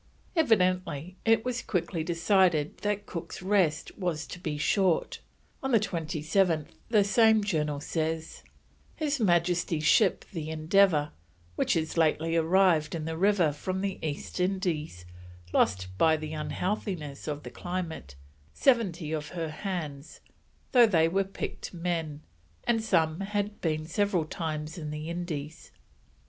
Evidently it was quickly decided that Cook's rest was to be short. On 27th the same Journal says: "His Majesty's Ship, the Endeavour, which is lately arrived in the River from the East Indies, lost by the unhealthiness of the climate, 70 of her hands, tho' they were picked men, and had been several times in the Indies.